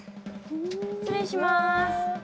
失礼します。